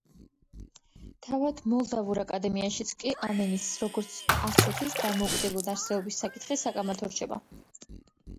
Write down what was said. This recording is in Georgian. თავად მოლდავურ აკადემიაშიც კი ამ ენის, როგორც ასეთის, დამოუკიდებლად არსებობის საკითხი საკამათო რჩება.